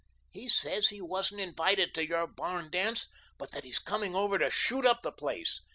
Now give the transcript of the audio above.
He says he wasn't invited to your barn dance but that he's coming over to shoot up the place.